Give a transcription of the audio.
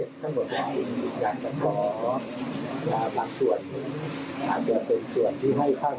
เพราะจะคู่เขาเป็นคนที่พัก